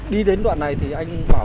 đi đến đoạn này thì anh bảo